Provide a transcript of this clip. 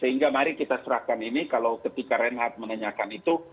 sehingga mari kita serahkan ini kalau ketika reinhard menanyakan itu